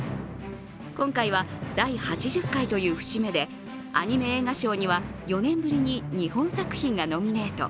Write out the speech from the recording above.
今回、第８０回という節目でアニメ映画賞には４年ぶりに日本作品がノミネート。